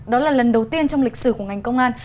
đó là lần đầu tiên trong lịch sử của ngành công an